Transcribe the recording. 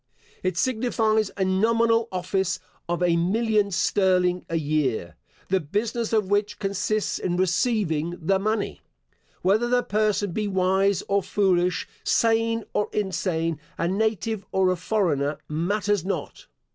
It signifies a nominal office of a million sterling a year, the business of which consists in receiving the money. Whether the person be wise or foolish, sane or insane, a native or a foreigner, matters not.